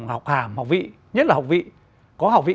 học hàm học vị nhất là học vị có học vị